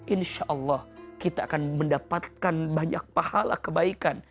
insya allah kita akan mendapatkan banyak pahala kebaikan